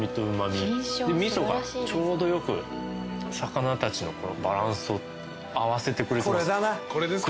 味噌がちょうどよく魚たちのバランスを合わせてくれてます。